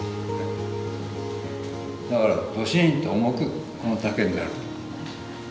だからドシンと重くこの丈になる。